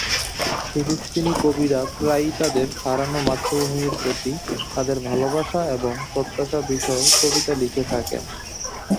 ফিলিস্তিনি কবিরা প্রায়ই তাদের হারানো মাতৃভূমির প্রতি তাদের ভালোবাসা এবং প্রত্যাশা বিষয়ে কবিতা লিখে থাকেন।